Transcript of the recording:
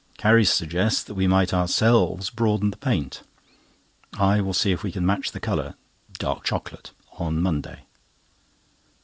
Carrie suggests that we might ourselves broaden the paint. I will see if we can match the colour (dark chocolate) on Monday.